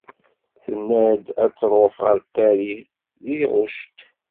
Tenna-d ad truḥ ɣer Paris deg ɣucṭ.